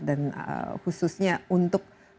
dan khususnya untuk melakukan restorasi